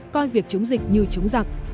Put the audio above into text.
coi việc chống dịch như chống giặc